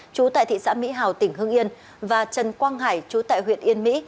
chú tại thị xã mỹ hào tỉnh hưng yên và trần quang hải chú tại huyện yên mỹ